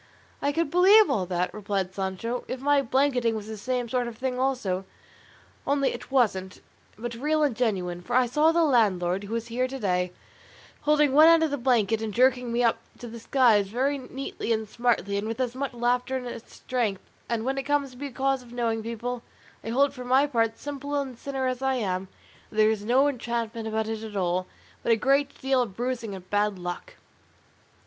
"I could believe all that," replied Sancho, "if my blanketing was the same sort of thing also; only it wasn't, but real and genuine; for I saw the landlord, who is here to day, holding one end of the blanket and jerking me up to the skies very neatly and smartly, and with as much laughter as strength; and when it comes to be a case of knowing people, I hold for my part, simple and sinner as I am, that there is no enchantment about it at all, but a great deal of bruising and bad luck."